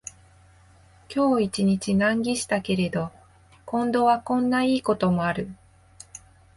今日一日難儀したけれど、今度はこんないいこともある